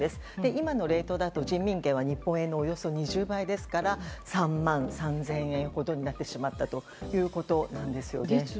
今のレートだと人民元は日本円のおよそ２０倍ですから３万３０００円ほどになってしまったと。